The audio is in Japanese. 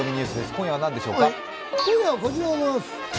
今夜はこちらです。